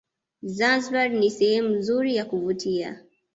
zanzibar ni sehemu nzuri ya kuvutia